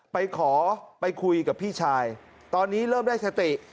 ไปขอไปคุยกับพี่ชายตอนนี้เริ่มได้สติ